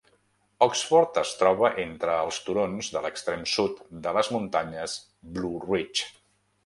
Oxford es troba entre els turons de l'extrem sud de les Muntanyes Blue Ridge.